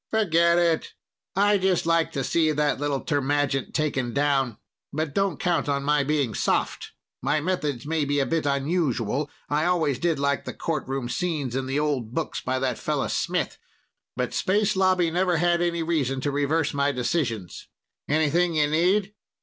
"Forget it. I just like to see that little termagant taken down. But don't count on my being soft. My methods may be a bit unusual I always did like the courtroom scenes in the old books by that fellow Smith but Space Lobby never had any reason to reverse my decisions. Anything you need?"